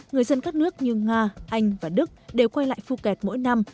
người dân các nước như nga anh và đức đều quay lại phuket mỗi năm